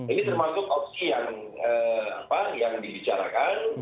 ini termasuk opsi yang dibicarakan